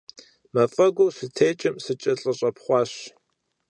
Мафӏэгур щытекӏым, сыкӏэлъыщӏэпхъуащ.